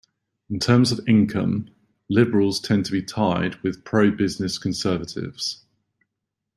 In terms of income, liberals tend to be tied with pro-business conservatives.